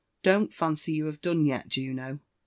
— Don't fancy you have done yet, Juno.